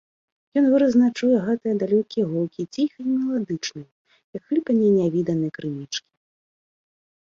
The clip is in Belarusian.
Ён выразна чуе гэтыя далёкія гукі, ціхія і меладычныя, як хлюпанне нявіднай крынічкі.